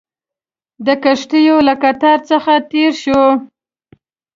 د کښتیو له قطار څخه تېر شوو.